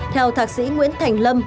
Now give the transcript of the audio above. theo thạc sĩ nguyễn thành lâm